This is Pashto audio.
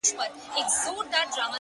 دادی اوس هم کومه- بيا کومه- بيا کومه-